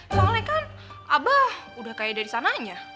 soalnya kan abah udah kayak dari sananya